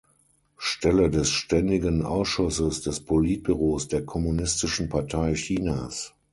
Stelle des Ständigen Ausschusses des Politbüros der Kommunistischen Partei Chinas.